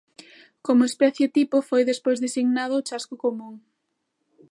Como especie tipo foi despois designado o chasco común.